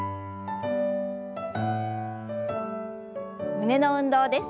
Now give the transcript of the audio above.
胸の運動です。